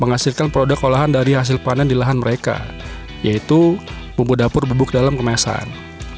menghasilkan produk olahan dari hasil panen di lahan mereka yaitu bumbu dapur bubuk dalam kemasan